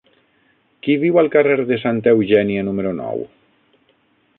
Qui viu al carrer de Santa Eugènia número nou?